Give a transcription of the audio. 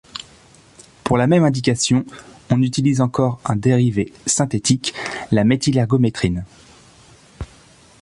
Pour la même indication, on utilise encore un dérivé synthétique, la méthylergométrine.